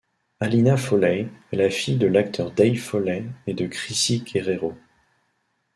Alina Foley est la fille de l'acteur Dave Foley et de Crissy Guerrero.